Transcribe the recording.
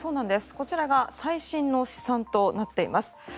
こちらが最新の試算となっています。